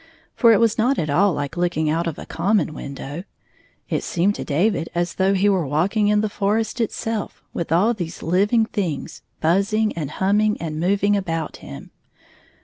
For it was not at all like looking out of a common window. It seemed to David as though he were walking in the forest itself with all these living things buzzing and hum ming and moving about him.